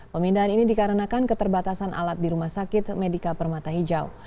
pemindahan ini dikarenakan keterbatasan alat di rumah sakit medika permata hijau